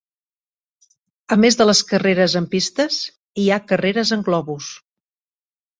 A més de les carreres en pistes, hi ha carreres en globus.